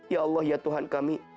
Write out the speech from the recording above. ya allah ya tuhan kami